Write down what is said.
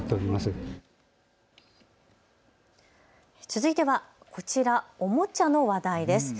続いてはこちら、おもちゃの話題です。